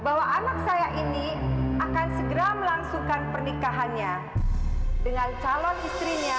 bahwa anak saya ini akan segera melangsungkan pernikahannya dengan calon istrinya